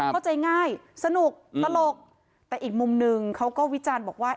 เข้าใจง่ายสนุกตลกแต่อีกมุมหนึ่งเขาก็วิจารณ์บอกว่า